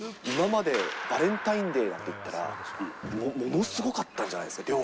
今までバレンタインデーなんていったら、ものすごかったんじゃないですか？